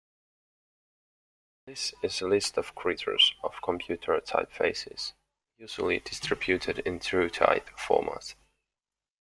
This is a list of creators of computer typefaces, usually distributed in TrueType format.